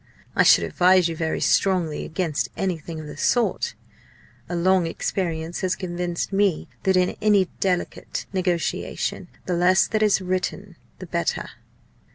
I should advise you very strongly against anything of the sort. A long experience has convinced me that in any delicate negotiation the less that is written the better."